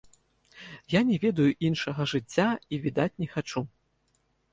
Я не ведаю іншага жыцця і, відаць, не хачу.